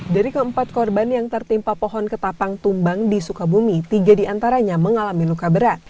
dari keempat korban yang tertimpa pohon ketapang tumbang di sukabumi tiga diantaranya mengalami luka berat